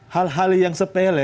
hal hal yang sepele